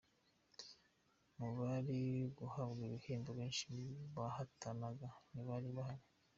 Mu bari guhabwa ibihembo, benshi mu bahatanaga ntibari bahari.